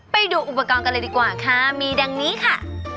ไปดูอุปกรณ์กันเลยดีกว่าค่ะมีดังนี้ค่ะ